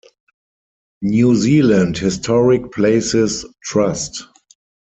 New Zealand Historic Places Trust.